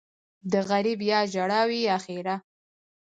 ـ د غريب يا ژړا وي يا ښېرا.